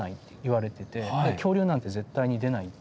恐竜なんて絶対に出ないって。